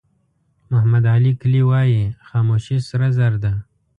محمد علي کلي وایي خاموشي سره زر ده.